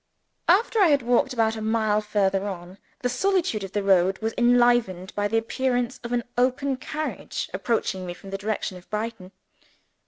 After I had walked about a mile further on, the solitude of the road was enlivened by the appearance of an open carriage approaching me from the direction of Brighton.